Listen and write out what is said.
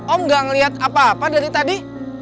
om gak ngeliat apa apa dari tadi